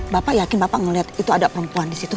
bapak yakin bapak ngeliat itu ada perempuan disitu